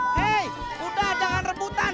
hei udah jangan rebutan